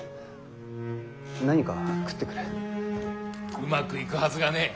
うまくいくはずがねえ。